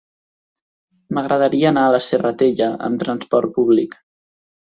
M'agradaria anar a la Serratella amb transport públic.